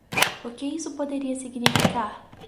O que isso poderia significar?